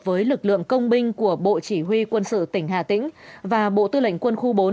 với lực lượng công binh của bộ chỉ huy quân sự tỉnh hà tĩnh và bộ tư lệnh quân khu bốn